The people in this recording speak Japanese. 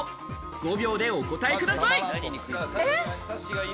５秒でお答えください。